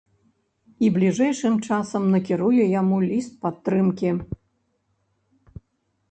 І бліжэйшым часам накіруе яму ліст падтрымкі.